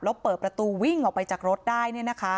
แล้วเปิดประตูวิ่งออกไปจากรถได้